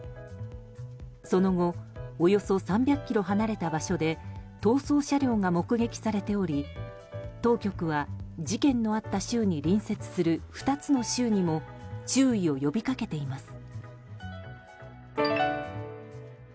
その後、およそ３００ｋｍ離れた場所で逃走車両が目撃されており当局は事件のあった州に隣接する２つの州にも注意を呼びかけています。